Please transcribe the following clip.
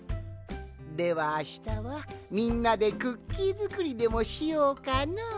ではあしたはみんなでクッキーづくりでもしようかの。